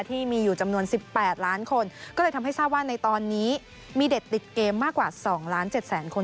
ที่มีอยู่จำนวน๑๘ล้านคนก็เลยทำให้ทราบว่าในตอนนี้มีเด็กติดเกมมากกว่า๒ล้าน๗แสนคน